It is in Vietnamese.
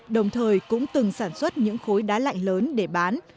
đồng thời cũng từng sản xuất những khối đá lạnh lớn để bán